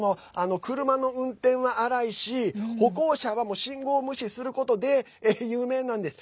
車の運転は荒いし歩行者はもう信号無視することで有名なんです。